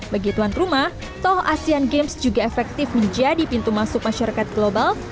bagi tuan rumah toh asian games juga efektif menjadi pintu masuk masyarakat global